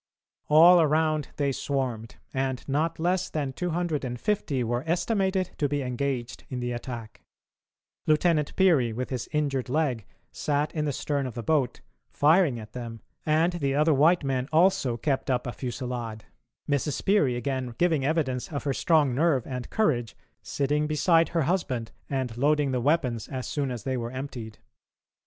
All around they swarmed, and not less than 250 were estimated to be engaged in the attack. Lieutenant Peary, with his injured leg, sat in the stern of the boat, firing at them, and the other white men also kept up a fusillade, Mrs. Peary, again giving evidence of her strong nerve and courage, sitting beside her husband and loading the weapons as soon as they were emptied.